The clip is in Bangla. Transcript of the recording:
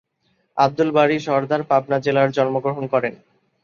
আব্দুল বারী সরদার পাবনা জেলার জন্মগ্রহণ করেন।